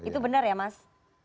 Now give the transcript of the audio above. itu benar ya mas